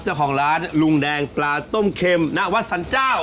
เจ้าของร้านลุงแดงปลาต้มเข็มณวัดสรรเจ้า